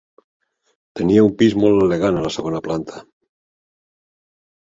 Tenia un pis molt elegant a la segona planta.